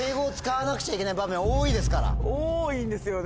多いんですよね。